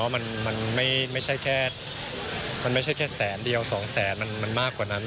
มันไม่ใช่แค่แสนเดียวสองแสนมันมากกว่านั้น